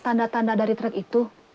tanda tanda dari truk itu